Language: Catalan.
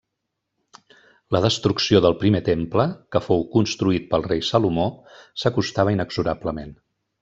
La destrucció del Primer Temple, que fou construït pel Rei Salomó, s'acostava inexorablement.